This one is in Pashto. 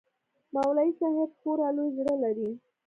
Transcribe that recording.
مولوى صاحب خورا لوى زړه لري.